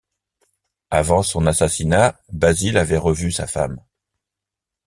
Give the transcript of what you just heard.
Avant son assassinat, Basil avait revu sa femme.